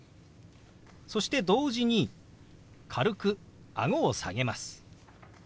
そして同時に軽くあごを下げます。